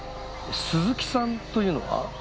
鈴木さんというのは？